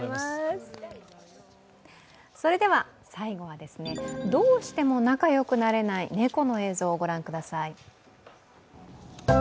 最後は、どうしても仲良くなれない猫の映像を御覧ください。